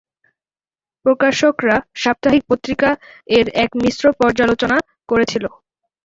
প্রকাশকরা সাপ্তাহিক পত্রিকা এর এক মিশ্র পর্যালোচনা করেছিল।